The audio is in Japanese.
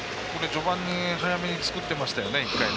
序盤に早めに作っていましたよね、１回。